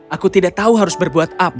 aku tidak tahu harus berbuat apa